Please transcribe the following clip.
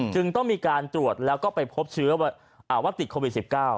จึงต้องมีการตรวจแล้วก็ไปพบเชื้อว่าติดโควิด๑๙